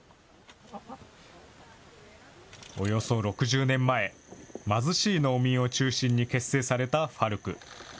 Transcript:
およそ６０年前、貧しい農民を中心に結成されたＦＡＲＣ。